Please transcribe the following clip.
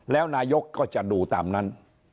แล้วนายกก็จะดูตามนั้น